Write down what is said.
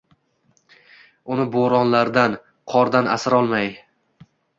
Uni bo’ronlardan, qordan asrolmay